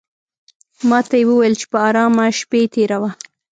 ماته یې وویل چې په آرامه شپې تېروه.